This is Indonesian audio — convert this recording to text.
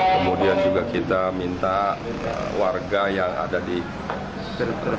kemudian juga kita minta warga yang ada diantaranya